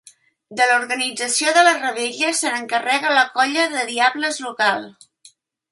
De l’organització de la revetlla se n’encarrega la colla de diables local.